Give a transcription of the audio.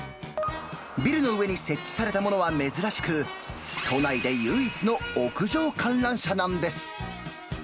ビルの上に設置されたものは珍しく、都内で唯一の屋上観覧車なんです。